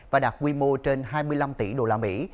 và đạt quy mô trên hai mươi năm tỷ đô la mỹ